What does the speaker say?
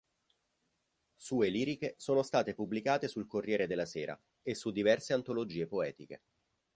Sue liriche sono state pubblicate sul "Corriere della Sera" e su diverse antologie poetiche.